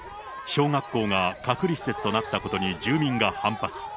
小学校が隔離施設となったことに住民が反発。